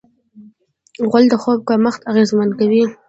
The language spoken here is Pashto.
غول د خوب کمښت اغېزمن کوي.